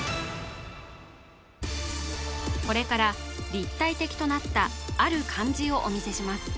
これから立体的となったある漢字をお見せします